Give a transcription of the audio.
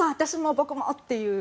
僕も！っていう。